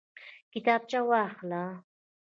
کتابچه واخله